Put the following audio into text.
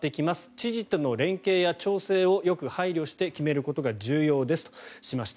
知事との連携や調整をよく配慮して決めることが重要ですとしました。